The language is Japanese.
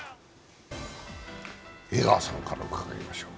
江川さんから聞きましょう。